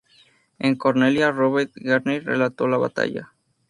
En Cornelia, Robert Garnier relató la batalla.